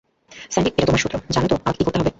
Sandy এটা তোমার সূত্র, জানো তো তোমাকে কি করতে হবে?